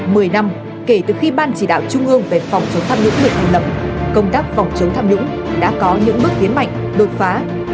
mười năm kể từ khi ban chỉ đạo trung ương về phòng chống tham nhũng được thành lập công tác phòng chống tham nhũng đã có những bước tiến mạnh đột phá